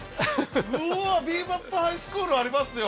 うわ「ビー・バップ・ハイスクール」ありますよ！